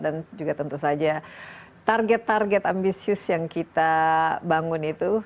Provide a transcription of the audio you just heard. dan juga tentu saja target target ambisius yang kita bangun itu